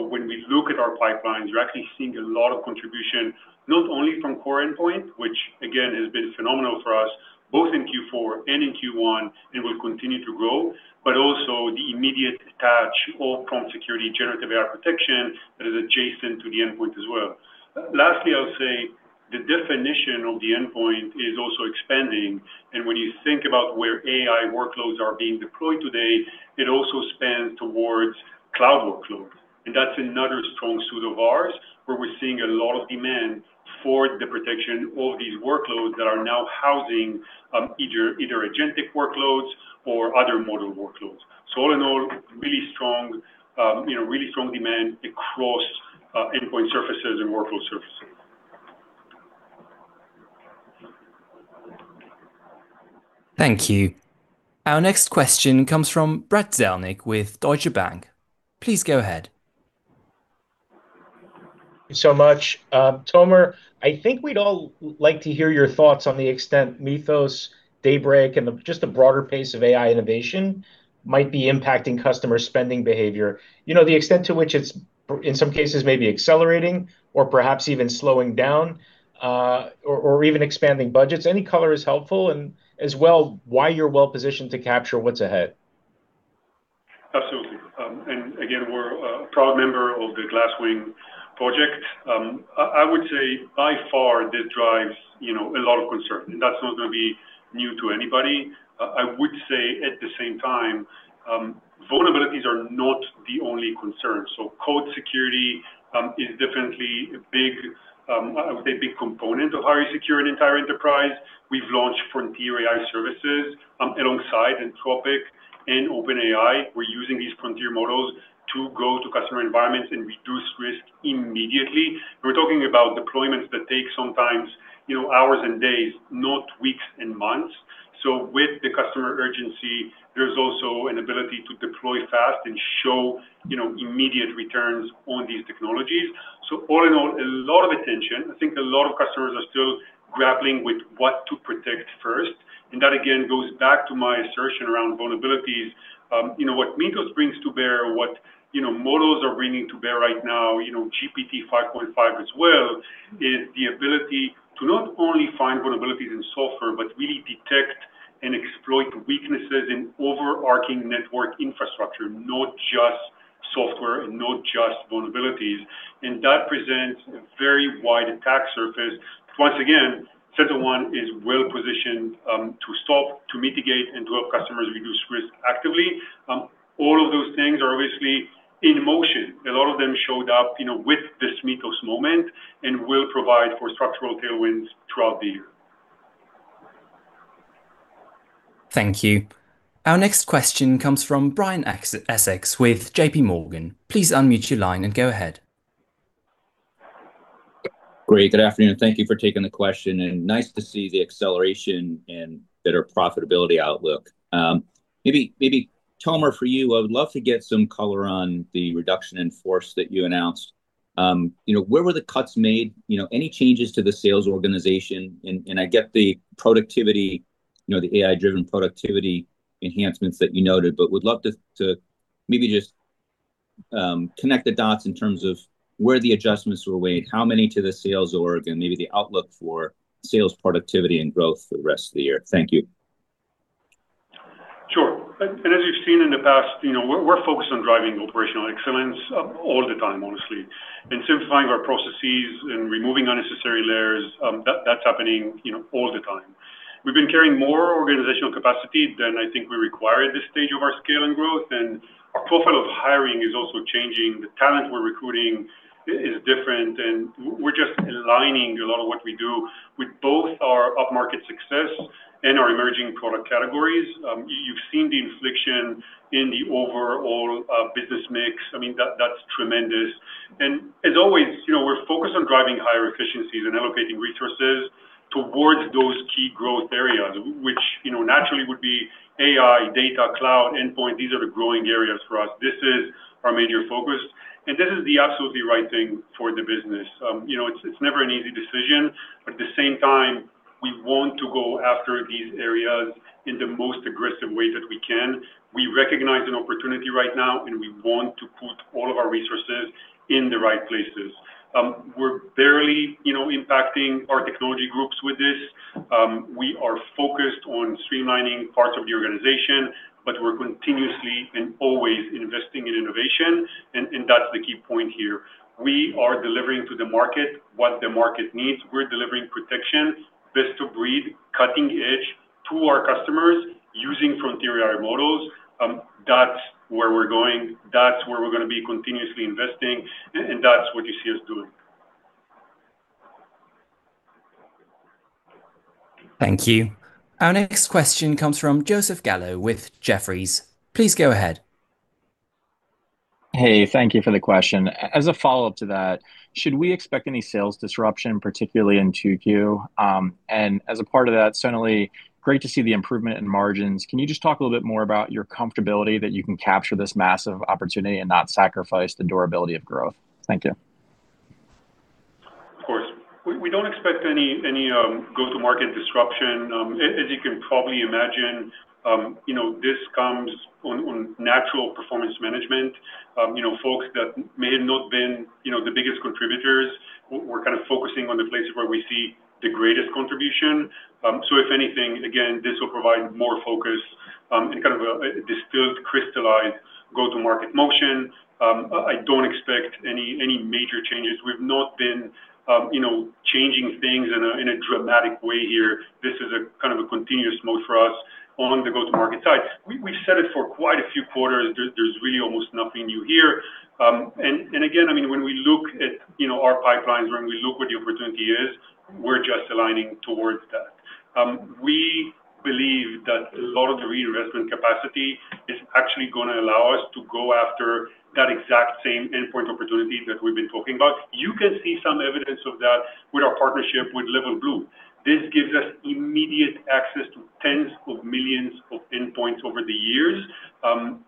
When we look at our pipelines, we are actually seeing a lot of contribution, not only from core endpoint, which again, has been phenomenal for us both in Q4 and in Q1 and will continue to grow, but also the immediate attach or Prompt Security generative AI protection that is adjacent to the endpoint as well. Lastly, I'll say the definition of the endpoint is also expanding, and when you think about where AI workloads are being deployed today, it also spans towards cloud workloads. That's another strong suit of ours, where we're seeing a lot of demand for the protection of these workloads that are now housing either agentic workloads or other model workloads. All in all, really strong demand across endpoint surfaces and workload surfaces. Thank you. Our next question comes from Brad Zelnick with Deutsche Bank. Please go ahead. Thank you so much. Tomer, I think we'd all like to hear your thoughts on the extent Mythos, Daybreak, and just the broader pace of AI innovation might be impacting customer spending behavior. The extent to which it's, in some cases, maybe accelerating or perhaps even slowing down, or even expanding budgets. As well, why you're well-positioned to capture what's ahead. Absolutely. Again, we're a proud member of Project Glasswing. I would say by far that drives a lot of concern. That's not going to be new to anybody. I would say at the same time, vulnerabilities are not the only concern. Code security is definitely a big component of how you secure an entire enterprise. We've launched frontier AI services alongside Anthropic and OpenAI. We're using these frontier models to go to customer environments and reduce risk immediately. We're talking about deployments that take sometimes hours and days, not weeks and months. With the customer urgency, there's also an ability to deploy fast and show immediate returns on these technologies. All in all, a lot of attention. I think a lot of customers are still grappling with what to protect first. That, again, goes back to my assertion around vulnerabilities. What Mythos brings to bear, what models are bringing to bear right now, GPT-5.5 as well, is the ability to not only find vulnerabilities in software, but really detect and exploit weaknesses in overarching network infrastructure, not just software and not just vulnerabilities. That presents a very wide attack surface. Once again, SentinelOne is well-positioned to stop, to mitigate, and to help customers reduce risk actively. All of those things are obviously in motion. A lot of them showed up with this Mythos moment and will provide for structural tailwinds throughout the year. Thank you. Our next question comes from Brian Essex with JPMorgan. Please unmute your line and go ahead. Great. Good afternoon. Thank you for taking the question, and nice to see the acceleration and better profitability outlook. Maybe Tomer, for you, I would love to get some color on the reduction in force that you announced. Where were the cuts made? Any changes to the sales organization? I get the AI-driven productivity enhancements that you noted, but would love to maybe just connect the dots in terms of where the adjustments were weighed, how many to the sales org, and maybe the outlook for sales productivity and growth for the rest of the year. Thank you. Sure. As you've seen in the past, we're focused on driving operational excellence all the time, honestly, and simplifying our processes and removing unnecessary layers. That's happening all the time. We've been carrying more organizational capacity than I think we require at this stage of our scale and growth, and our profile of hiring is also changing. The talent we're recruiting is different, and we're just aligning a lot of what we do with both our up-market success and our emerging product categories. You've seen the inflection in the overall business mix. That's tremendous. As always, we're focused on driving higher efficiencies and allocating resources towards those key growth areas, which naturally would be AI, data, cloud, endpoint. These are the growing areas for us. This is our major focus, and this is the absolutely right thing for the business. It's never an easy decision, but at the same time, we want to go after these areas in the most aggressive way that we can. We recognize an opportunity right now, and we want to put all of our resources in the right places. We're barely impacting our technology groups with this. We are focused on streamlining parts of the organization, but we're continuously and always investing in innovation, and that's the key point here. We are delivering to the market what the market needs. We're delivering protection, best of breed, cutting-edge to our customers using frontier AI models. That's where we're going. That's where we're going to be continuously investing, and that's what you see us doing. Thank you. Our next question comes from Joseph Gallo with Jefferies. Please go ahead. Hey, thank you for the question. As a follow-up to that, should we expect any sales disruption, particularly in 2Q? As a part of that, certainly great to see the improvement in margins. Can you just talk a little bit more about your comfortability that you can capture this massive opportunity and not sacrifice the durability of growth? Thank you. Of course. We don't expect any go-to-market disruption. As you can probably imagine, this comes on natural performance management. Folks that may have not been the biggest contributors, we're kind of focusing on the places where we see the greatest contribution. If anything, again, this will provide more focus in a distilled, crystallized go-to-market motion. I don't expect any major changes. We've not been changing things in a dramatic way here. This is a continuous mode for us on the go-to-market side. We've said it for quite a few quarters, there's really almost nothing new here. Again, when we look at our pipelines, when we look what the opportunity is, we're just aligning towards that. We believe that a lot of the reinvestment capacity is actually going to allow us to go after that exact same endpoint opportunity that we've been talking about. You can see some evidence of that with our partnership with LevelBlue. This gives us immediate access to tens of millions of endpoints over the years,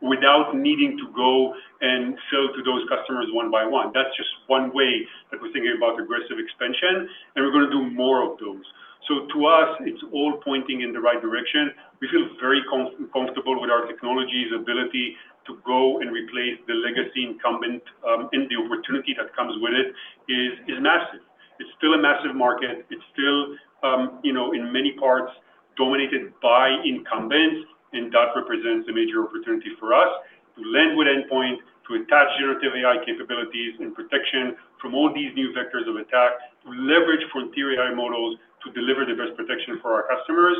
without needing to go and sell to those customers one by one. That's just one way that we're thinking about aggressive expansion, and we're going to do more of those. To us, it's all pointing in the right direction. We feel very comfortable with our technology's ability to go and replace the legacy incumbent, and the opportunity that comes with it is massive. It's still a massive market. It's still, in many parts, dominated by incumbents. That represents a major opportunity for us to lend with endpoint, to attach generative AI capabilities and protection from all these new vectors of attack, to leverage frontier AI models to deliver the best protection for our customers.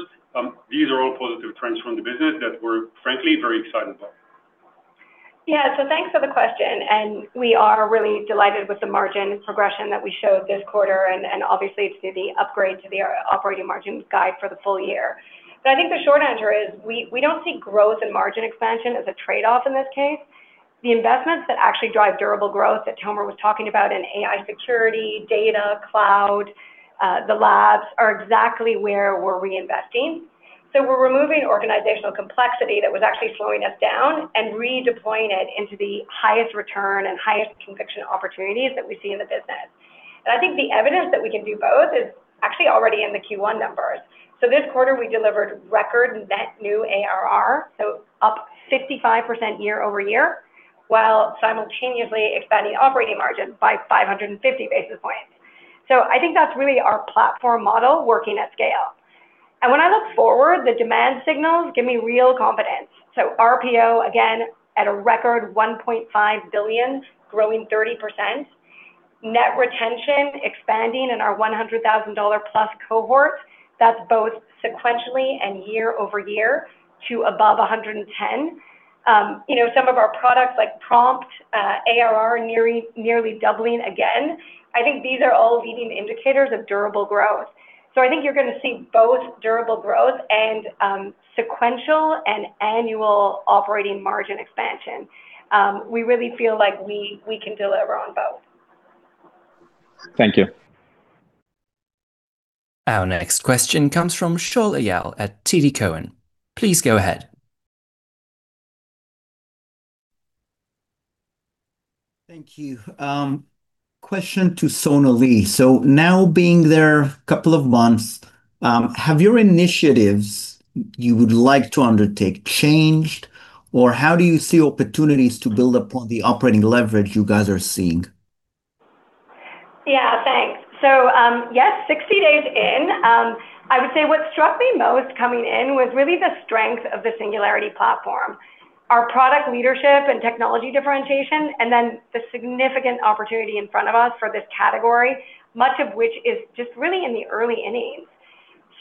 These are all positive trends from the business that we are, frankly, very excited about. Thanks for the question. We are really delighted with the margin progression that we showed this quarter, and obviously to the upgrade to the operating margins guide for the full year. I think the short answer is, we don't see growth and margin expansion as a trade-off in this case. The investments that actually drive durable growth that Tomer was talking about in AI security, data, cloud, the labs, are exactly where we're reinvesting. We're removing organizational complexity that was actually slowing us down and redeploying it into the highest return and highest conviction opportunities that we see in the business. I think the evidence that we can do both is actually already in the Q1 numbers. This quarter, we delivered record net new ARR, up 55% year-over-year, while simultaneously expanding operating margin by 550 basis points. I think that's really our platform model working at scale. When I look forward, the demand signals give me real confidence. RPO, again, at a record $1.5 billion, growing 30%. Net retention expanding in our $100,000 + cohorts. That's both sequentially and year-over-year to above 110%. Some of our products, like Prompt, ARR nearly doubling again. I think these are all leading indicators of durable growth. I think you're going to see both durable growth and sequential and annual operating margin expansion. We really feel like we can deliver on both. Thank you. Our next question comes from Shaul Eyal at TD Cowen. Please go ahead. Thank you. Question to Sonalee. Now being there a couple of months, have your initiatives you would like to undertake changed, or how do you see opportunities to build upon the operating leverage you guys are seeing? Yeah, thanks. Yes, 60 days in, I would say what struck me most coming in was really the strength of the Singularity Platform, our product leadership and technology differentiation, and then the significant opportunity in front of us for this category, much of which is just really in the early innings.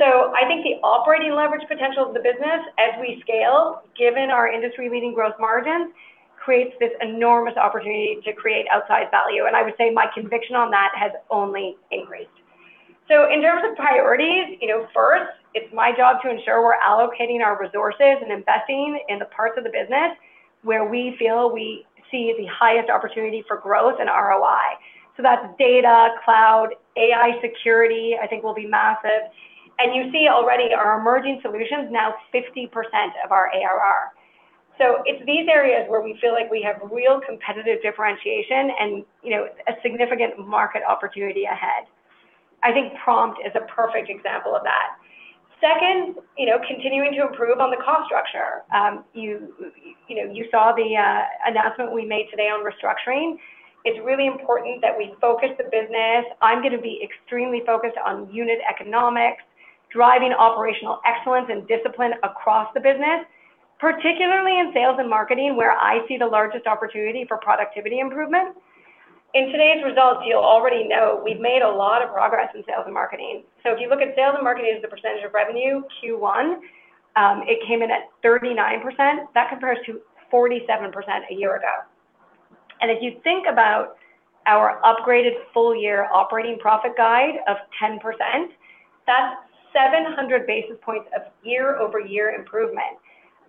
I think the operating leverage potential of the business as we scale, given our industry-leading gross margins, creates this enormous opportunity to create outsized value. I would say my conviction on that has only increased. In terms of priorities, first, it's my job to ensure we're allocating our resources and investing in the parts of the business where we feel we see the highest opportunity for growth and ROI. That's data, cloud, AI security, I think will be massive. You see already our emerging solutions, now 50% of the ARR. It's these areas where we feel like we have real competitive differentiation and a significant market opportunity ahead. I think Prompt is a perfect example of that. Second, continuing to improve on the cost structure. You saw the announcement we made today on restructuring. It's really important that we focus the business. I'm going to be extremely focused on unit economics, driving operational excellence and discipline across the business, particularly in sales and marketing, where I see the largest opportunity for productivity improvement. In today's results, you'll already know we've made a lot of progress in sales and marketing. If you look at sales and marketing as a percentage of revenue, Q1, it came in at 39%. That compares to 47% a year ago. If you think about our upgraded full-year operating profit guide of 10%, that's 700 basis points of year-over-year improvement.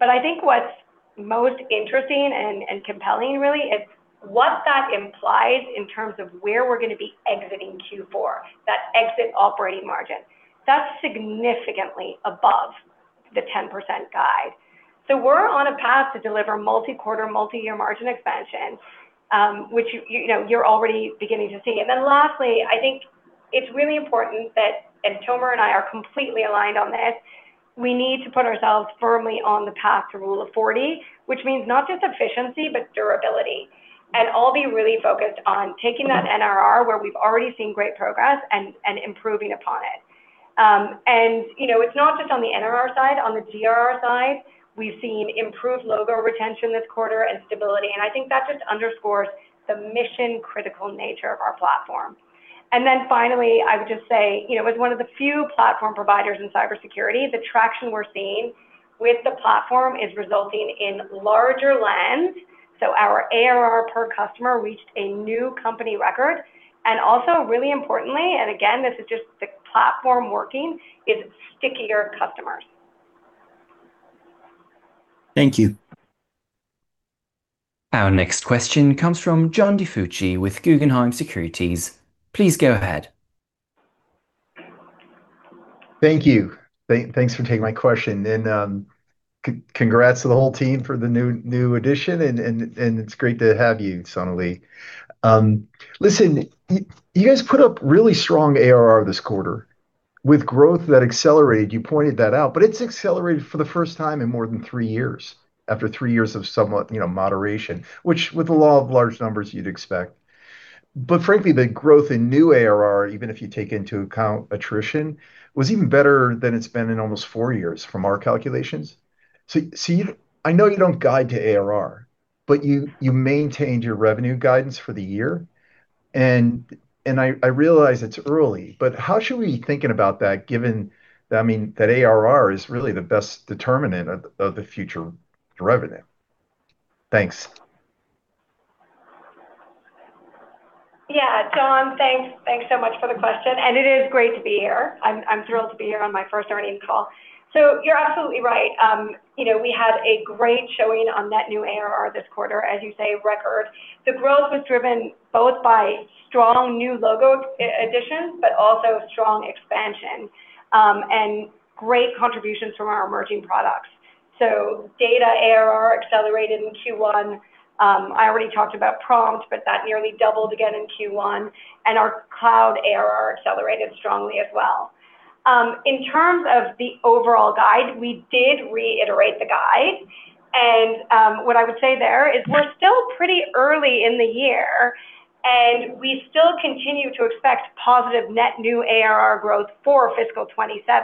I think what's most interesting and compelling, really, is what that implies in terms of where we're going to be exiting Q4, that exit operating margin. That's significantly above the 10% guide. We're on a path to deliver multi-quarter, multi-year margin expansion, which you're already beginning to see. Lastly, I think it's really important that, Tomer and I are completely aligned on this, we need to put ourselves firmly on the path to rule of 40, which means not just efficiency, but durability. I'll be really focused on taking that NRR, where we've already seen great progress, and improving upon it. It's not just on the NRR side. On the GRR side, we've seen improved logo retention this quarter and stability, and I think that just underscores the mission-critical nature of our platform. Finally, I would just say, as one of the few platform providers in cybersecurity, the traction we're seeing with the platform is resulting in larger lands. Our ARR per customer reached a new company record, and also really importantly, and again, this is just the platform working, is stickier customers. Thank you. Our next question comes from John DiFucci with Guggenheim Securities. Please go ahead. Thank you. Thanks for taking my question. Congrats to the whole team for the new addition, and it's great to have you, Sonalee. Listen, you guys put up really strong ARR this quarter with growth that accelerated. You pointed that out. It's accelerated for the first time in more than three years, after three years of somewhat moderation, which with the law of large numbers you'd expect. Frankly, the growth in new ARR, even if you take into account attrition, was even better than it's been in almost four years from our calculations. I know you don't guide to ARR, but you maintained your revenue guidance for the year, and I realize it's early, but how should we be thinking about that given that ARR is really the best determinant of the future revenue? Thanks. Yeah, John. Thanks so much for the question, and it is great to be here. I'm thrilled to be here on my first earnings call. You're absolutely right. We had a great showing on net new ARR this quarter, as you say, record. The growth was driven both by strong new logo additions, but also strong expansion, and great contributions from our emerging products. Data ARR accelerated in Q1. I already talked about Prompt, but that nearly doubled again in Q1, and our cloud ARR accelerated strongly as well. In terms of the overall guide, we did reiterate the guide, and what I would say there is we're still pretty early in the year, and we still continue to expect positive net new ARR growth for fiscal 2027.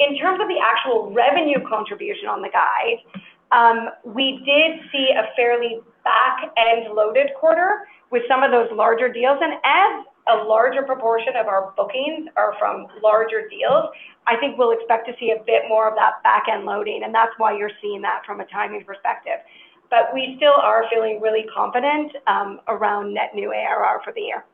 In terms of the actual revenue contribution on the guide, we did see a fairly back-end loaded quarter with some of those larger deals. As a larger proportion of our bookings are from larger deals, I think we'll expect to see a bit more of that back-end loading, and that's why you're seeing that from a timing perspective. We still are feeling really confident around net new ARR for the year.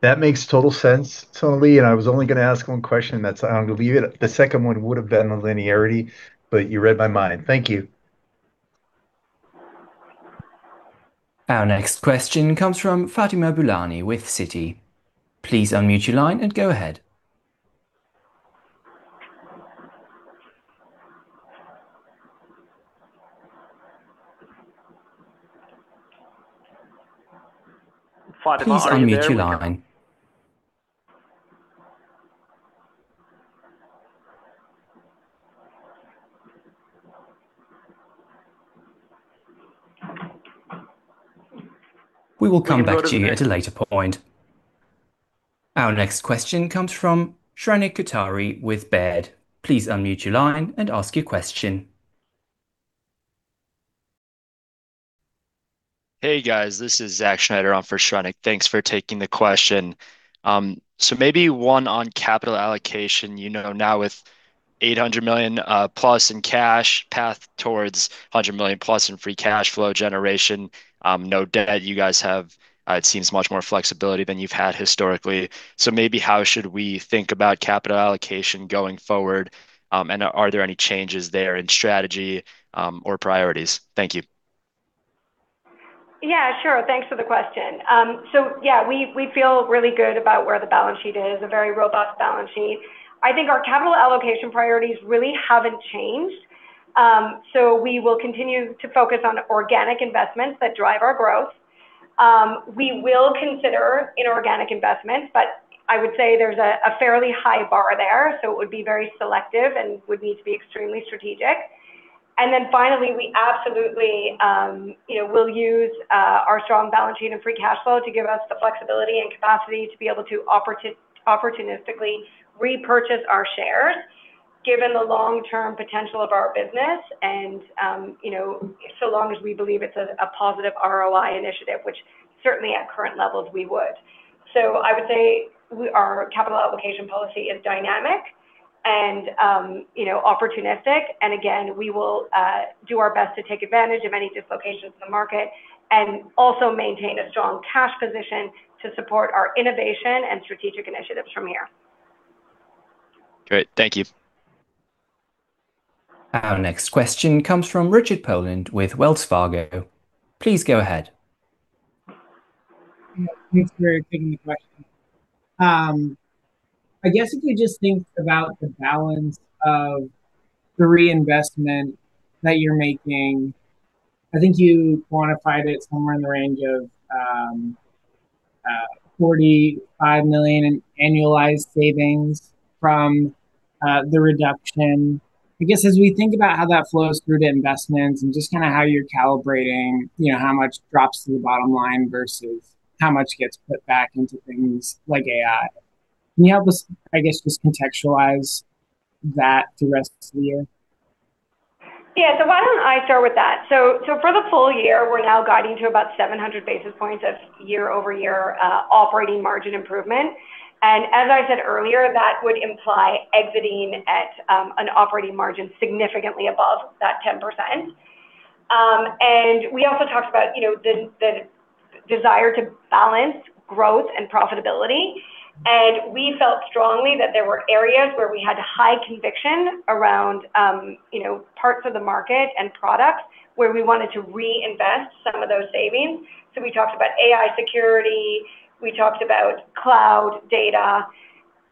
That makes total sense, Sonalee, I was only going to ask one question. That's, I'm going to leave it. The second one would've been on linearity, you read my mind. Thank you. Our next question comes from Fatima Boolani with Citi. Please unmute your line and go ahead. Fatima Boolani, are you there? Please unmute your line. We will come back to you at a later point. Our next question comes from Shrenik Kothari with Baird. Please unmute your line and ask your question. Hey, guys. This is Zach Schneider on for Shrenik. Thanks for taking the question. Maybe one on capital allocation. Now with $800 million plus in cash, path towards $100 million plus in free cash flow generation, no debt, you guys have it seems much more flexibility than you've had historically. Maybe how should we think about capital allocation going forward? Are there any changes there in strategy or priorities? Thank you. Yeah, sure. Thanks for the question. Yeah, we feel really good about where the balance sheet is, a very robust balance sheet. I think our capital allocation priorities really haven't changed. We will continue to focus on organic investments that drive our growth. We will consider inorganic investments, but I would say there's a fairly high bar there, so it would be very selective and would need to be extremely strategic. Finally, we absolutely will use our strong balance sheet and free cash flow to give us the flexibility and capacity to be able to opportunistically repurchase our shares given the long-term potential of our business and so long as we believe it's a positive ROI initiative, which certainly at current levels we would. I would say our capital allocation policy is dynamic and opportunistic. Again, we will do our best to take advantage of any dislocations in the market and also maintain a strong cash position to support our innovation and strategic initiatives from here. Great. Thank you. Our next question comes from Richard Poland with Wells Fargo. Please go ahead. Yeah. Thanks for taking the question. I guess if you just think about the balance of the reinvestment that you're making, I think you quantified it somewhere in the range of $45 million in annualized savings from the reduction. I guess as we think about how that flows through to investments and just how you're calibrating how much drops to the bottom line versus how much gets put back into things like AI. Can you help us, I guess, just contextualize that through the rest of this year? Yeah. Why don't I start with that? For the full year, we're now guiding to about 700 basis points of year-over-year operating margin improvement. As I said earlier, that would imply exiting at an operating margin significantly above that 10%. We also talked about the desire to balance growth and profitability. We felt strongly that there were areas where we had high conviction around parts of the market and products where we wanted to reinvest some of those savings. We talked about AI security, we talked about cloud data.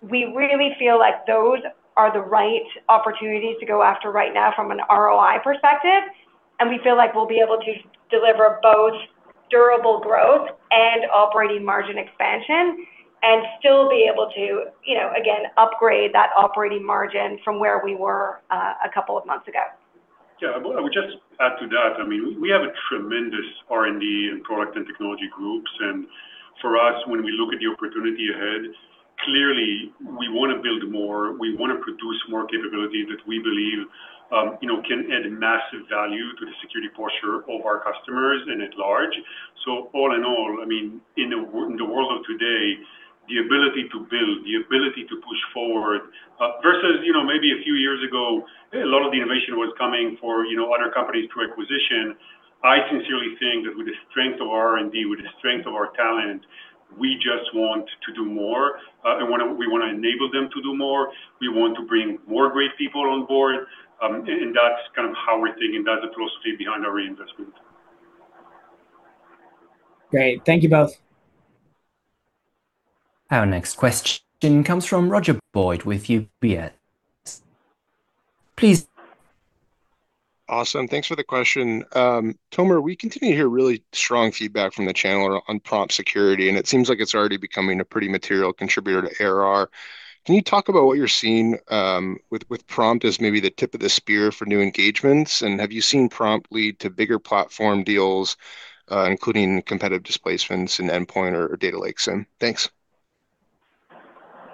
We really feel like those are the right opportunities to go after right now from an ROI perspective, and we feel like we'll be able to deliver both durable growth and operating margin expansion and still be able to, again, upgrade that operating margin from where we were a couple of months ago. Well, let me just add to that. We have a tremendous R&D and product and technology groups. For us, when we look at the opportunity ahead, clearly we want to build more, we want to produce more capability that we believe can add massive value to the security posture of our customers and at large. All in all, in the world of today, the ability to build, the ability to push forward versus maybe a few years ago, a lot of the innovation was coming for other companies through acquisition. I sincerely think that with the strength of R&D, with the strength of our talent, we just want to do more, and we want to enable them to do more. We want to bring more great people on board, and that's how we're thinking. That's the philosophy behind our reinvestment. Great. Thank you both. Our next question comes from Roger Boyd with UBS. Please. Awesome. Thanks for the question. Tomer, we continue to hear really strong feedback from the channel on Prompt Security, and it seems like it's already becoming a pretty material contributor to ARR. Can you talk about what you're seeing with Prompt as maybe the tip of the spear for new engagements? Have you seen Prompt lead to bigger platform deals, including competitive displacements in endpoint or data lakes? Thanks.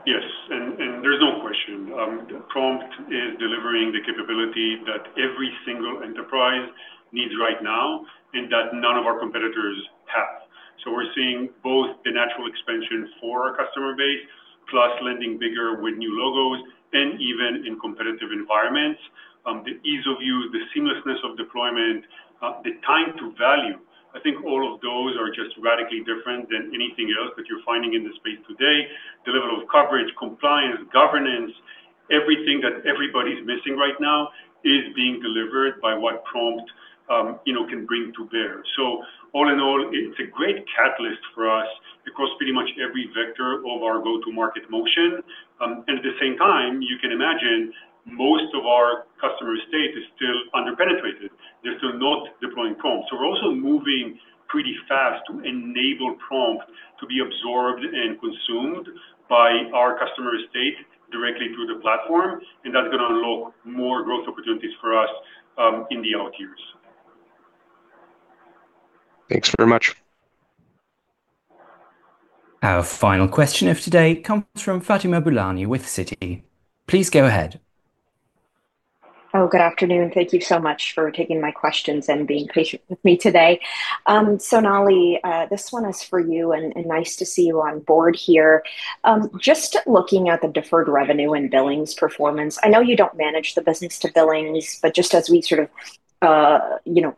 Yes, there's no question. Prompt is delivering the capability that every single enterprise needs right now and that none of our competitors have. We're seeing both the natural expansion for our customer base, plus landing bigger with new logos and even in competitive environments. The ease of use, the seamlessness of deployment, the time to value. I think all of those are just radically different than anything else that you're finding in the space today. The level of coverage, compliance, governance, everything that everybody's missing right now is being delivered by what Prompt can bring to bear. All in all, it's a great catalyst for us across pretty much every vector of our go-to-market motion. At the same time, you can imagine most of our customer estate is still under-penetrated. They're still not deploying Prompt. We're also moving pretty fast to enable Prompt to be absorbed and consumed by our customer estate directly through the platform, and that's going to unlock more growth opportunities for us in the out years. Thanks very much. Our final question of today comes from Fatima Boolani with Citi. Please go ahead. Oh, good afternoon. Thank you so much for taking my questions and being patient with me today. Sonalee Parekh, this one is for you, and nice to see you on board here. Just looking at the deferred revenue and billings performance, I know you don't manage the business to billings, but just as we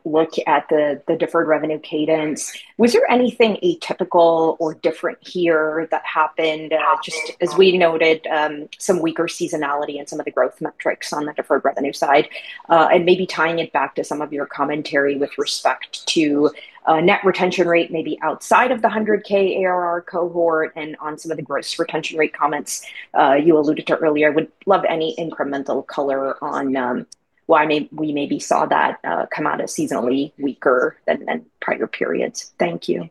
look at the deferred revenue cadence, was there anything atypical or different here that happened just as we noted some weaker seasonality in some of the growth metrics on the deferred revenue side? Maybe tying it back to some of your commentary with respect to net retention rate, maybe outside of the 100K ARR cohort and on some of the gross retention rate comments you alluded to earlier. Would love any incremental color on why we maybe saw that come out as seasonally weaker than prior periods. Thank you.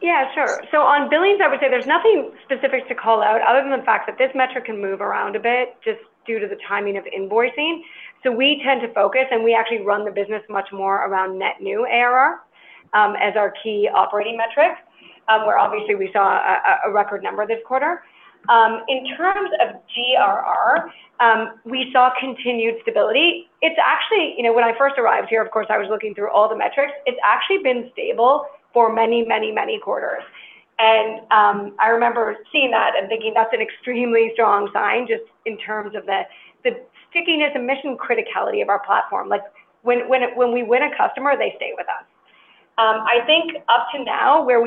Yeah, sure. On billings, I would say there's nothing specific to call out other than the fact that this metric can move around a bit just due to the timing of invoicing. We tend to focus, and we actually run the business much more around net new ARR as our key operating metric, where obviously we saw a record number this quarter. In terms of GRR, we saw continued stability. When I first arrived here, of course, I was looking through all the metrics. It's actually been stable for many quarters. I remember seeing that and thinking that's an extremely strong sign just in terms of the stickiness and mission criticality of our platform. When we win a customer, they stay with us. I think up to now, where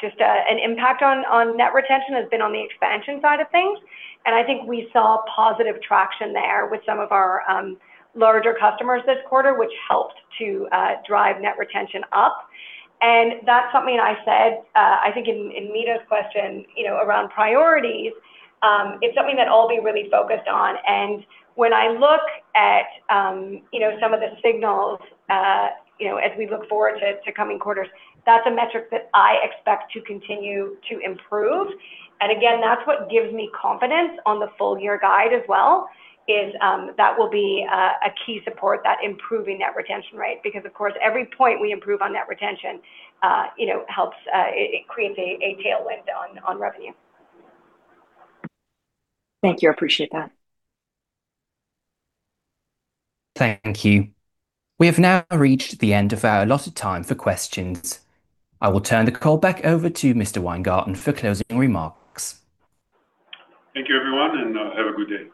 just an impact on Net Retention has been on the expansion side of things. I think we saw positive traction there with some of our larger customers this quarter, which helped to drive Net Retention up. That's something I said I think in Meta's question, around priorities. It's something that I'll be really focused on. When I look at some of the signals as we look forward to coming quarters, that's a metric that I expect to continue to improve. Again, that's what gives me confidence on the full year guide as well, is that will be a key support, that improving Net Retention Rate. Of course, every point we improve on Net Retention creates a tailwind on revenue. Thank you. I appreciate that. Thank you. We have now reached the end of our allotted time for questions. I will turn the call back over to Mr. Weingarten for closing remarks. Thank you everyone. Have a good day.